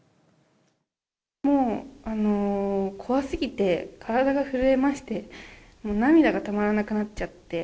もう怖すぎて、体が震えまして、もう涙が止まらなくなっちゃって。